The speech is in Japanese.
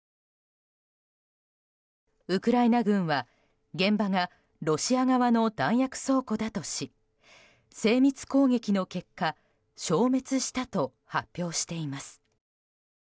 ウクライナ軍は現場がロシア側の弾薬倉庫だとし精密攻撃の結果、消滅したと発表しています。